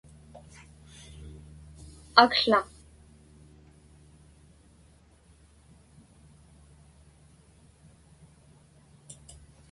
akłaq